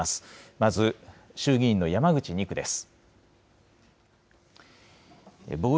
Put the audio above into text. まず衆議院の山口２区です。